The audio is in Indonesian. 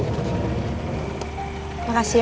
terima kasih ya